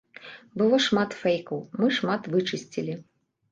Было шмат фэйкаў, мы шмат вычысцілі.